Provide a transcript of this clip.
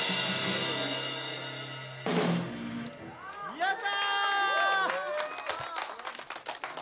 やった。